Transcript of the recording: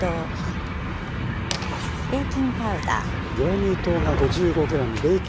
ベーキングパウダー。